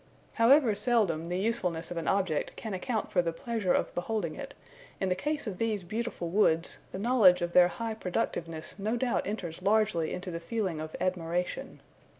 However seldom the usefulness of an object can account for the pleasure of beholding it, in the case of these beautiful woods, the knowledge of their high productiveness no doubt enters largely into the feeling of admiration.